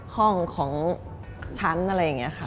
ห้องของฉันอะไรอย่างนี้ค่ะ